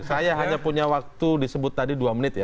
saya hanya punya waktu disebut tadi dua menit ya